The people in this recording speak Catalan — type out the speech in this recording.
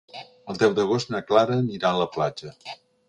El deu d'agost na Clara anirà a la platja.